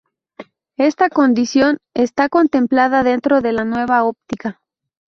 Esta condición está contemplada dentro de la nueva óptica.